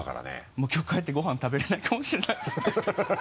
もうきょう帰ってごはん食べれないかもしれないです